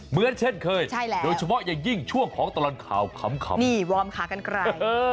เหมือนเช่นเคยโดยเฉพาะอย่างยิ่งช่วงของตลอดข่าวขำนี่วอร์มขากันไกล